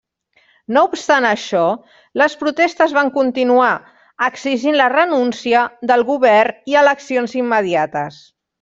No obstant això, les protestes van continuar, exigint la renúncia del govern i eleccions immediates.